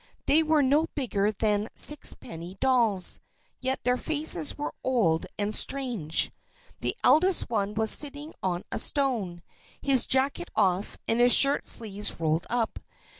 They were no bigger than sixpenny dolls, yet their faces were old and strange. The eldest one was sitting on a stone, his jacket off, and his shirt sleeves rolled up.